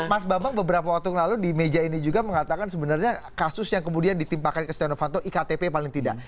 mas bambang beberapa waktu lalu di meja ini juga mengatakan sebenarnya kasus yang kemudian ditimpakan ke setia novanto iktp paling tidak